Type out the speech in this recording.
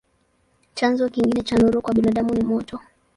Chanzo kingine cha nuru kwa binadamu ni moto.